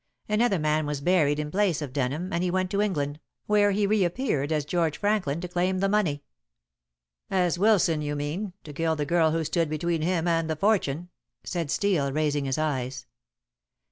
Another man was buried in place of Denham and he went to England, where he reappeared as George Franklin to claim the money." "As Wilson, you mean, to kill the girl who stood between him and the fortune," said Steel, raising his eyes.